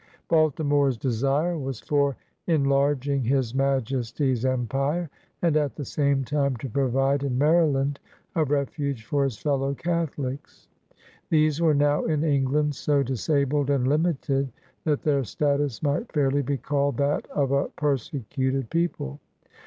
Baltimore's desire was for ^' enlarging his Maj esty's Empire," and at the same time to provide in Maryland a refuge for his fellow Catholics. These were now in England so disabled and limited that their status might fairly be called that of a per secuted people.